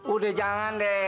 udah jangan de